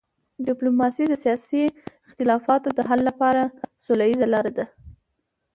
ډیپلوماسي د سیاسي اختلافاتو د حل لپاره سوله ییزه لار ده.